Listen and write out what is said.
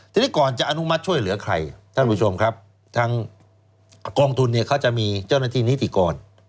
ทีนี้ก่อนจะอนุมัติช่วยเหลือใครท่านผู้ชมครับทางกองทุนเนี่ยเขาจะมีเจ้าหน้าที่นิติกร